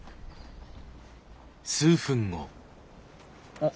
あっ。